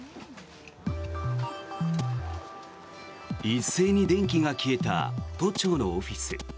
一斉に電気が消えた都庁のオフィス。